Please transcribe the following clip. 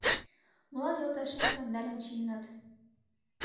Молан, йолташем, сандальым чиенат